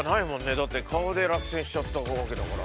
だって顔で落選しちゃったわけだから。